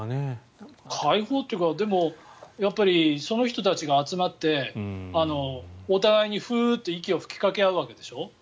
開放っていうかその人たちが集まってお互いにフーッと息を吹きかけ合うわけでしょう。